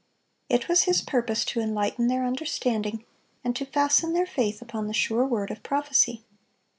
It was His purpose to enlighten their understanding, and to fasten their faith upon the "sure word of prophecy."